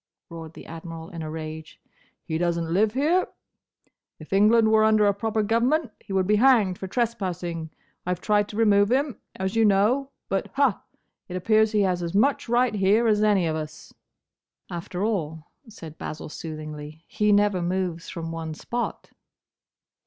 roared the Admiral, in a rage. "He doesn't live here. If England were under a proper government, he would be hanged for trespassing. I 've tried to remove him, as you know, but—ha!—it appears he has as much right here as any of us." "After all," said Basil, soothingly, "he never moves from one spot."